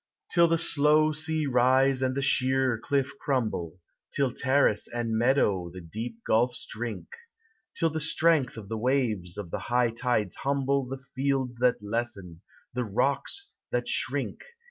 Till the slow sea rise and the sheer cliff crumble, Till terrace and meadow the deep gulfs drink, Till the strength of the waves of the high tides humble The fields that lessen, the rocks that shrink, 392 POEMS OF NATURE.